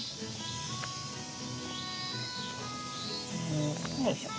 んよいしょ。